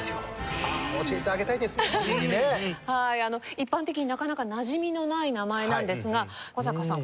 一般的になかなかなじみのない名前なんですが古坂さん